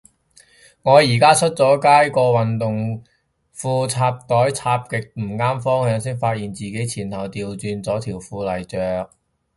我而家出咗街，條運動褲插袋插極唔啱方向，先發現自己前後掉轉咗條褲嚟着